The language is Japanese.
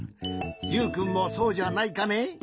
ユウくんもそうじゃないかね？